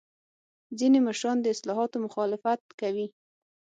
ځینې مشران د اصلاحاتو مخالفت کوي.